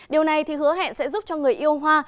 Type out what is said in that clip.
điều này thì hứa hẹn sẽ giúp cho người yêu hoa